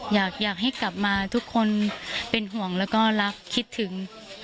อยากให้กลับมาทุกคนเป็นห่วงแล้วก็รักคิดถึง